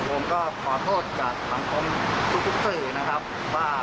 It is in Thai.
ผมก็ขอโทษจากสังคมทุกสื่อนะครับว่า